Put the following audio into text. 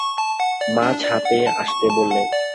মা ছাতে আসতে বললেন।